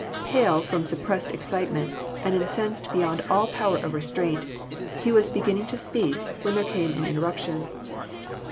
Pale from suppressed excitement, and incensed beyond all power of restraint, he was beginning to speak, when there came an interruption.